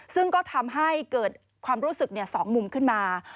ซึ่งก็ทำให้เกิดความรู้สึก๒มุมขึ้นมา